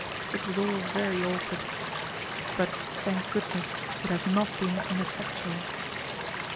It was all very awkward. But, thank goodness, it has not been ineffectual.